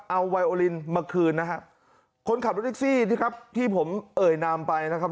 เอาไวโอลินมาคืนนะฮะคนขับรถแท็กซี่ที่ครับที่ผมเอ่ยนามไปนะครับ